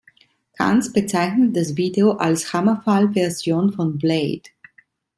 Cans bezeichnet das Video als Hammerfall-Version von "Blade".